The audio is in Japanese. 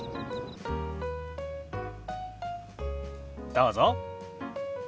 どうぞ。